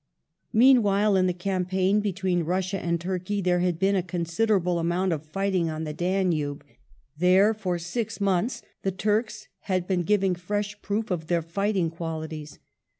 Meanwhile, in the campaign between Russia and Turkey there had been a considerable amount of fighting on the Danube. There, for six months, the Turks had been giving fresh proof of their fighting qualities.